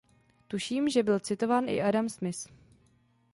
Tuším, že byl citován i Adam Smith.